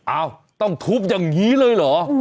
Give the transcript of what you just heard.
อ้าวต้องทุบอย่างนี้เลยเหรอ